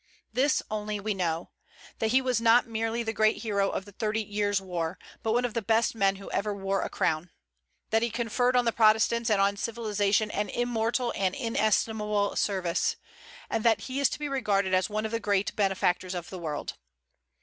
This only we know, that he was not merely the great hero of the Thirty Years' War, but one of the best men who ever wore a crown; that he conferred on the Protestants and on civilization an immortal and inestimable service, and that he is to be regarded as one of the great benefactors of the world.